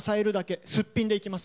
すっぴんでいきます